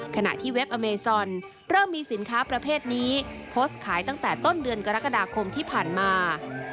ขณะที่เว็บอเมซอนเริ่มมีสินค้าประเภทนี้โพสต์ขายตั้งแต่ต้นเดือนกรกฎาคมที่ผ่านมา